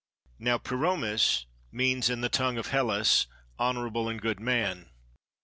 Now piromis means in the tongue of Hellas "honourable and good man."